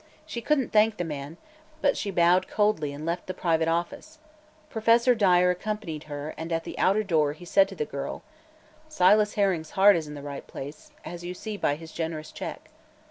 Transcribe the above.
She couldn't thank the man, but she bowed coldly and left the private office. Professor Dyer accompanied her and at the outer door he said to the girl: "Silas Herring's heart is in the right place, as you see by his generous check.